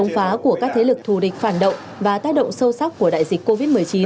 phá của các thế lực thù địch phản động và tác động sâu sắc của đại dịch covid một mươi chín